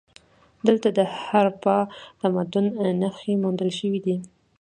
دلته د هراپا تمدن نښې موندل شوي دي